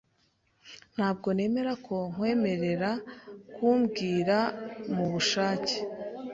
Ntabwo nemera ko nkwemerera kumbwira mubushake.